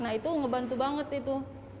nah itu ngebantu banget itu